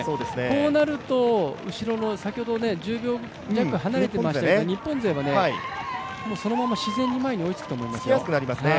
こうなると後ろの１０秒弱離れていましたから、日本勢もそのまま自然に前に追いつくと思いますよ。